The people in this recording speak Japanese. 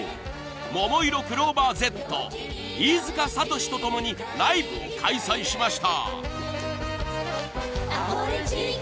［ももいろクローバーＺ飯塚悟志と共にライブを開催しました］